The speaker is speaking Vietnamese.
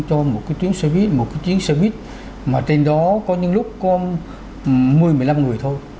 cho một cái chuyến xe buýt một cái chuyến xe buýt mà trên đó có những lúc có một mươi một mươi năm người thôi